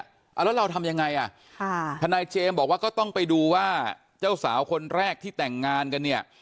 แล้วเราทำยังไงอ่ะค่ะทนายเจมส์บอกว่าก็ต้องไปดูว่าเจ้าสาวคนแรกที่แต่งงานกันเนี่ย